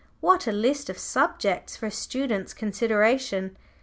What a list of subjects for a student's consideration!